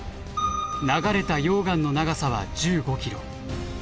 流れた溶岩の長さは１５ｋｍ。